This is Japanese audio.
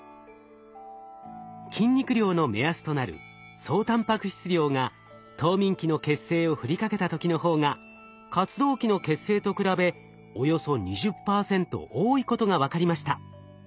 筋肉量の目安となる総タンパク質量が冬眠期の血清を振りかけた時の方が活動期の血清と比べおよそ２０％多いことが分かりました。